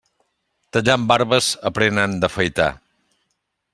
Tallant barbes, aprenen d'afaitar.